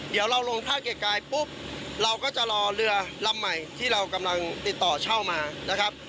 เดี๋ยวเราลงท่าเกรกายปุ๊บเราก็จะรอเรือลำใหม่ที่เรากำลังติดต่อเช่ามานะครับ